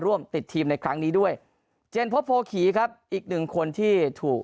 ร่วมติดทีมในครั้งนี้ด้วยเจนพบโพขี่ครับอีกหนึ่งคนที่ถูก